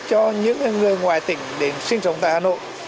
cho những người ngoài tỉnh đến sinh sống tại hà nội